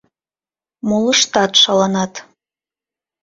Молыштат шаланат...